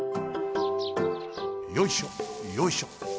よいしょよいしょ。